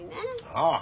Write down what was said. なあ。